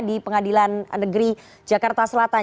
di pengadilan negeri jakarta selatan